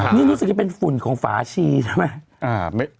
นี่รู้สึกจะเป็นฝุ่นของฝาชีใช่ไหม